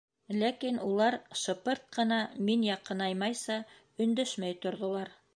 — Ләкин улар, шыпырт ҡына мин яҡынаймайса, өндәшмәй торҙолар.